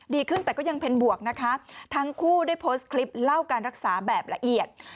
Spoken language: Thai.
ดีขึ้นแต่ก็ยังเป็นบวกนะคะทั้งคู่ได้โพสต์คลิปเล่าการรักษาแบบละเอียด